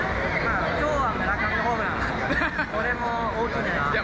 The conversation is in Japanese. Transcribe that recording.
きょうは村上のホームラン、それも大きいんじゃないか。